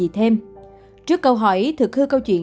trước câu hỏi thực hư câu chuyện